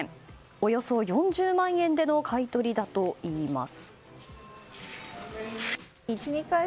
およそ４０万円での買い取りだといいます。